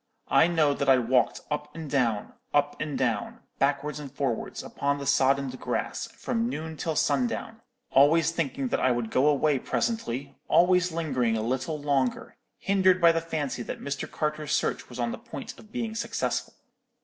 I know that I walked up and down, up and down, backwards and forwards, upon the soddened grass, from noon till sundown, always thinking that I would go away presently, always lingering a little longer; hindered by the fancy that Mr. Carter's search was on the point of being successful.